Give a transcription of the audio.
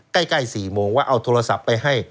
ใกล้๔โมงว่าเอาโทรศัพท์ไปให้